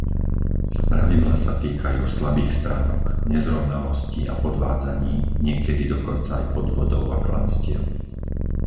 Spravidla sa týkajú slabých stránok, nezrovnalostí a podvádzaní, niekedy dokonca aj podvodov a klamstiev.